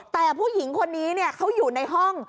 แต่ผู้หญิงคนนี้เขาอยู่ในห้อง